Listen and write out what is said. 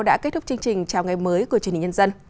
đã kết thúc chương trình chào ngày mới của truyền hình nhân dân